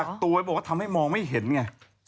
กักตัวไว้บอกว่าทำให้มองไม่เห็นไง